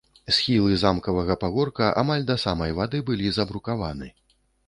Схілы замкавага пагорка амаль да самай вады былі забрукаваны.